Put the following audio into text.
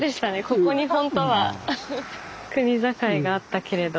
ここに本当は国境があったけれど。